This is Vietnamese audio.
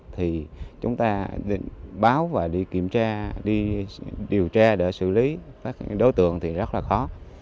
thì chúng ta báo và đi kiểm tra đi điều tra để xử lý các đối tượng thì rất là khó